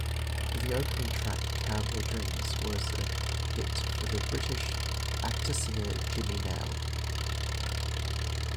The opening track "Cowboy Dreams" was a hit for the British actor-singer Jimmy Nail.